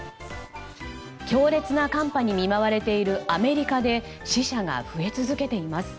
強烈な寒波に見舞われているアメリカで死者が増え続けています。